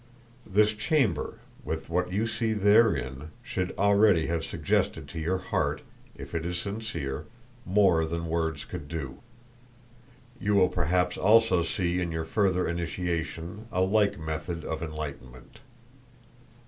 This chamber with what you see therein should already have suggested to your heart, if it is sincere, more than words could do. You will perhaps also see in your further initiation a like method of enlightenment.